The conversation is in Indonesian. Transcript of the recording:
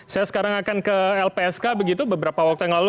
saya sekarang akan ke lpsk begitu beberapa waktu yang lalu